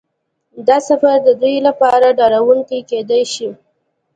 دا سفر د دوی لپاره ډارونکی کیدای شي